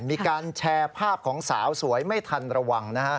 มีการแชร์ภาพของสาวสวยไม่ทันระวัง